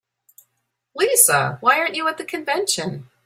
Lisa, why aren't you at the convention?